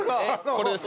これです。